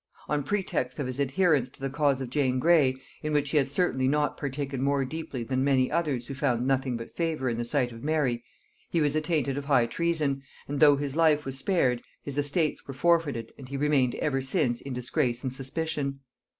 On pretext of his adherence to the cause of Jane Grey, in which he had certainly not partaken more deeply than many others who found nothing but favor in the sight of Mary, he was attainted of high treason, and though his life was spared, his estates were forfeited and he had remained ever since in disgrace and suspicion.